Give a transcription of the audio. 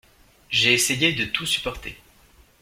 J’ai essayé de tout supporter.